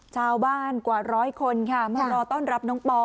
ชาวบ้านกว่าร้อยคนค่ะมารอต้อนรับน้องปอ